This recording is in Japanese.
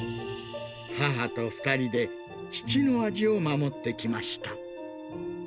母と２人で、父の味を守ってきました。